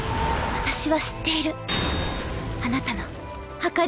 私は知っている。